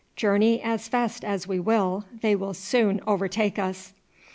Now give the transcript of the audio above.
Journey as fast as we will they will soon overtake us."